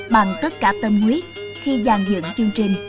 bằng tất cả tâm huyết khi dàn dựng chương trình